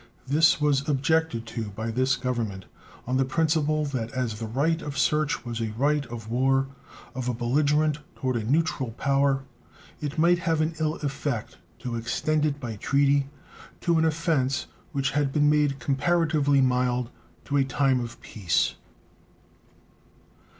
This was objected to by this Government on the principle that as the right of search was a right of war of a belligerent toward a neutral power it might have an ill effect to extend it by treaty, to an offense which had been made comparatively mild, to a time of peace.